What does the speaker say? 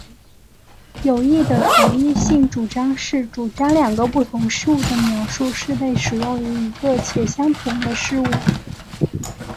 有益的同一性主张是主张两个不同的描述是被使用于一个且相同的事物。